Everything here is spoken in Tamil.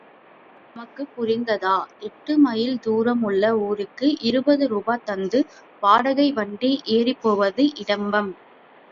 நமக்கு புரிந்ததா! எட்டு மைல் தூரம் உள்ள ஊருக்கு இருபது ரூபா தந்து வாடகை வண்டி ஏறிப்போவது இடம்பம்.